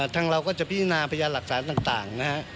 ทางเราก็จะพิจารณาพยานหลักฐานต่างนะฮะ